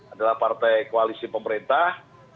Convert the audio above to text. adalah partai koalisi pemerintah